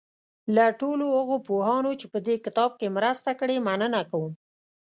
له ټولو هغو پوهانو چې په دې کتاب کې مرسته کړې مننه کوم.